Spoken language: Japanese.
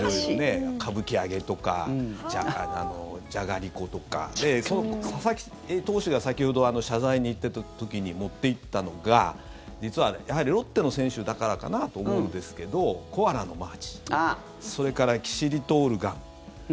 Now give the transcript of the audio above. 歌舞伎揚とか、じゃがりことか佐々木投手が先ほど、謝罪に行ってた時に持っていったのが実は、ロッテの選手だからかなと思うんですけどコアラのマーチそれからキシリトールガム。